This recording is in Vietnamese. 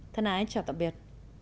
thân ái chào tạm biệt